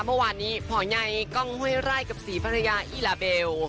เมื่อวานนี้พอใยกล้องห้วยไร่กับศรีภรรยาอีลาเบล